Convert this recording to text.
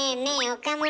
岡村。